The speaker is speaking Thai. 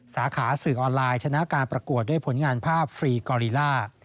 สาขาสื่อออนไลน์ชนะการประกวดด้วยผลงานภาพฟรีกอริล่า